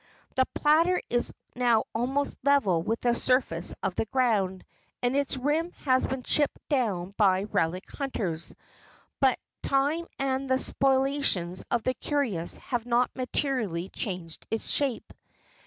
The platter is now almost level with the surface of the ground, and its rim has been chipped down by relic hunters, but time and the spoliations of the curious have not materially changed its shape.